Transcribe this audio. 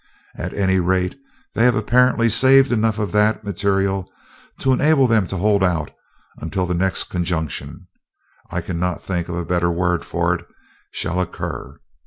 At any rate, they have apparently saved enough of that material to enable them to hold out until the next conjunction I cannot think of a better word for it shall occur.